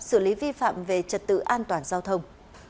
xử lý vi phạm về trật tự an toàn giao thông